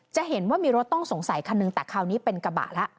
จะเห็นว่ามีรถต้องสงสัยคันหนึ่งแต่คราวนี้เป็นกระบะแล้ว